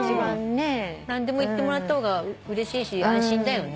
何でも言ってもらった方がうれしいし安心だよね。